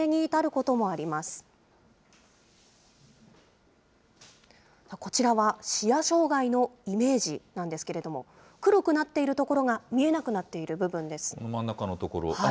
こちらは視野障害のイメージなんですけれども、黒くなっているところが見えなくなっている部分です。